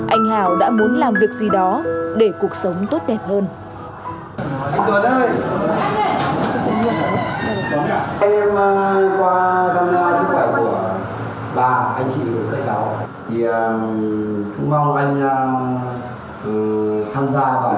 anh hảo đã muốn làm việc gì đó để cố gắng